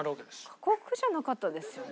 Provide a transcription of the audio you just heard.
過酷じゃなかったですよね。